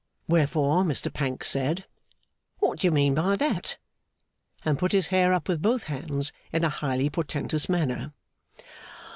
Wherefore, Mr Pancks said, 'What do you mean by that?' and put his hair up with both hands, in a highly portentous manner.